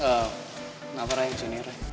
kenapa rey kesini rey